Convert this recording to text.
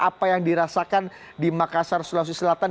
apa yang dirasakan di makassar sulawesi selatan